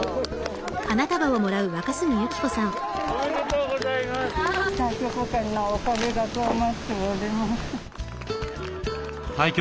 おめでとうございます。